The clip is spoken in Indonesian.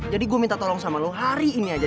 jadi gue minta tolong sama lo hari ini aja